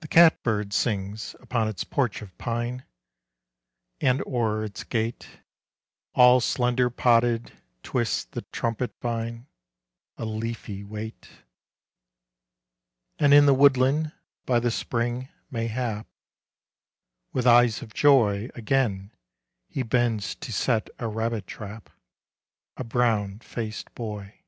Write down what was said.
The cat bird sings upon its porch of pine; And o'er its gate, All slender podded, twists the trumpet vine, A leafy weight; And in the woodland, by the spring, mayhap, With eyes of joy Again he bends to set a rabbit trap, A brown faced boy.